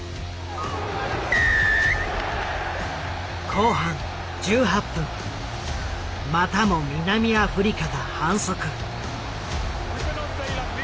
後半１８分またも南アフリカが反則。